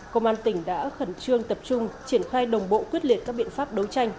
công an tỉnh đã khẩn trương tập trung triển khai đồng bộ quyết liệt các biện pháp đấu tranh